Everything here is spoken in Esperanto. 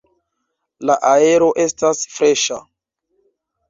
La aero estas freŝa.